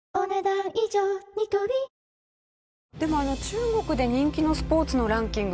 中国で人気のスポーツのランキング